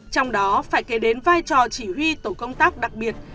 trong đó phải kể đến vai trò chỉ huy tổ công tác đặc biệt